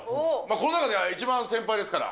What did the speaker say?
この中では一番先輩ですから。